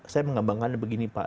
saya mengembangkan begini pak